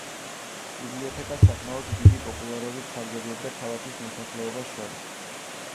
ბიბლიოთეკა საკმაოდ დიდი პოპულარობით სარგებლობდა ქალაქის მოსახლეობას შორის.